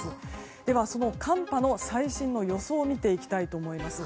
では、寒波の最新の予想を見ていきたいと思います。